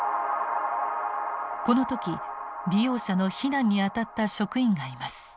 この時利用者の避難にあたった職員がいます。